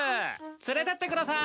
連れてってください。